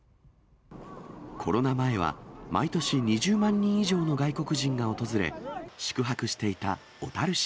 コロナ前は、毎年２０万人以上の外国人が訪れ、宿泊していた小樽市。